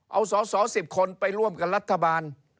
เอาสอสอ๑๐คนไปร่วมกับรัฐบาล